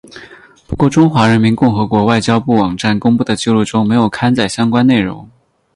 不过中华人民共和国外交部网站公布的记录中没有刊载相关内容。